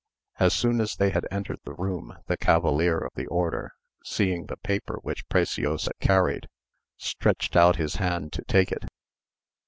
As soon as they had entered the room, the cavalier of the order, seeing the paper which Preciosa carried, stretched out his hand to take it.